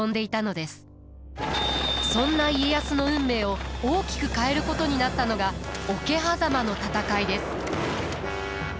そんな家康の運命を大きく変えることになったのが桶狭間の戦いです。